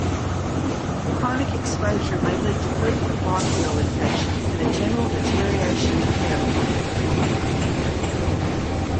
Chronic exposure may lead to frequent bronchial infections and a general deterioration of health.